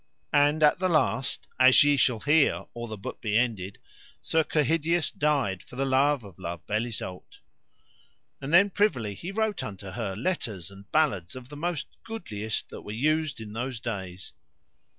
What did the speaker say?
And at the last, as ye shall hear or the book be ended, Sir Kehydius died for the love of La Beale Isoud. And then privily he wrote unto her letters and ballads of the most goodliest that were used in those days.